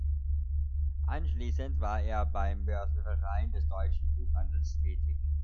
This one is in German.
Anschließend war er beim Börsenverein des Deutschen Buchhandels tätig.